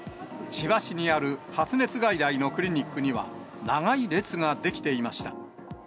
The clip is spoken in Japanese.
千葉市にある発熱外来のクリニックには、長い列が出来ていました。